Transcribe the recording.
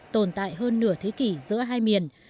tồn tại hơn nửa thế kỷ giữa hai miền